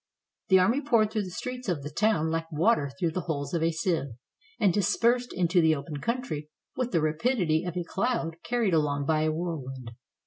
The army poured through the streets of the town like water through the holes of a sieve, and dispersed into the open country with the rapidity of a cloud carried along by a whirlwind.